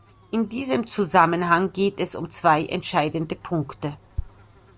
In diesem Zusammenhang geht es um zwei entscheidende Punkte.